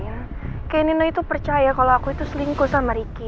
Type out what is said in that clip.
kayaknya nino itu percaya kalo aku itu selingkuh sama riki